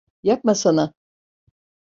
Yapmasana!